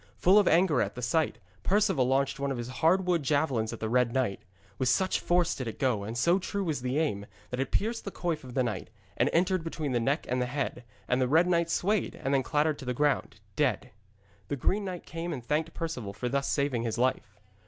Full of anger at the sight, Perceval launched one of his hard wood javelins at the red knight. With such force did it go, and so true was the aim, that it pierced the coif of the knight, and entered between the neck and the head, and the red knight swayed and then clattered to the ground, dead. The green knight came and thanked Perceval for thus saving his life.